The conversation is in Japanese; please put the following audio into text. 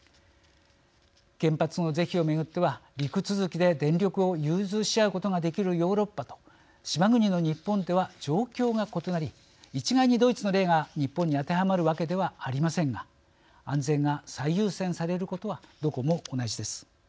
原発の是非を巡っては陸続きで電力を融通し合うことができるヨーロッパと島国の日本では状況が異なり一概にドイツの例が日本に当てはまるわけではありませんが安全が最優先されることはどこも同じです。